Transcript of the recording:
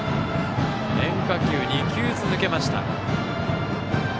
変化球、２球続けました。